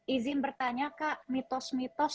izin bertanya kak mitos mitos